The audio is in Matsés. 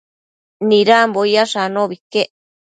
Nidambo icash anobi iquec